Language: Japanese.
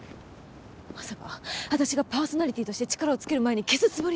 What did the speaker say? まさか私がパーソナリティーとして力をつける前に消すつもりで。